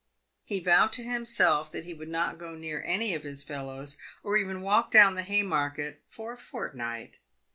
He vowed to himself that he would not go near any of his fellows, or even walk down theHaymarket for a fortnight.